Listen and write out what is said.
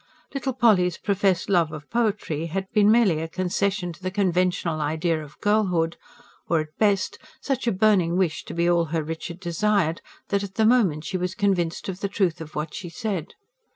Little Polly's professed love for poetry had been merely a concession to the conventional idea of girlhood; or, at best, such a burning wish to be all her Richard desired, that, at the moment, she was convinced of the truth of what she said.